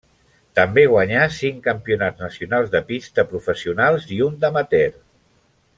També guanyà cinc campionats nacionals de pista professionals i un d'amateur.